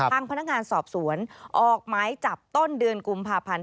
ทางพนักงานสอบสวนออกหมายจับต้นเดือนกุมภาพันธ์